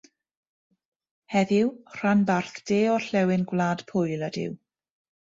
Heddiw, rhanbarth de-orllewin Gwlad Pwyl ydyw.